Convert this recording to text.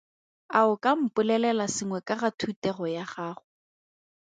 A o ka mpolelela sengwe ka ga thutego ya gago?